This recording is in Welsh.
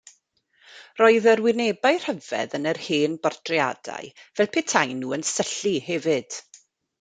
Roedd yr wynebau rhyfedd yn yr hen bortreadau fel petaen nhw yn syllu hefyd.